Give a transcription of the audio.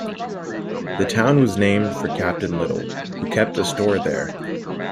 The town was named for Captain Little, who kept a store there.